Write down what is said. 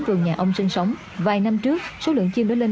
vườn nhà ông sinh sống vài năm trước số lượng chim đó lên